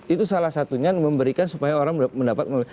itu salah satunya yang diberikan supaya orang mendapatkan